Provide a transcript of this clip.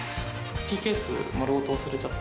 キーケース、丸ごと忘れちゃって。